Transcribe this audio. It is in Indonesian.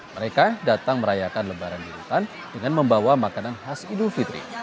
mereka datang merayakan lebaran di rutan dengan membawa makanan khas idul fitri